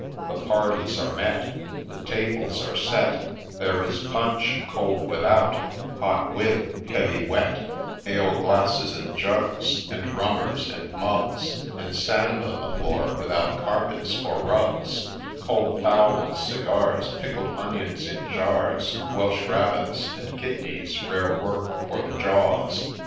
The parties are met ; The tables are set ; There is ' punch,' ' cold without,' ' hot with,' ' heavy wet,' Ale glasses and jugs, And rummers and mugs, And sand on the floor, without carpets or rugs, Cold fowl and cigars, Pickled onions in jars, Welsh rabbits and kidneys — rare work for the jaws